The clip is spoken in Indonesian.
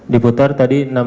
di putar tadi enam belas berapa